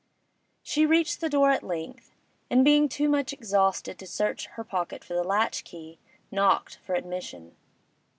She reached the door at length, and being too much exhausted to search her pocket for the latch key, knocked for admission.